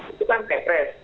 itu kan tetes